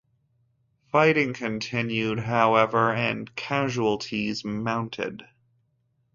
Fighting continued, however, and casualties mounted.